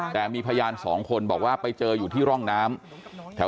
แต่มีพยานสองคนบอกว่าไปเจออยู่ที่ร่องน้ำแถว